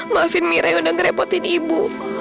maafin ameran yang udah ngerepotin ibu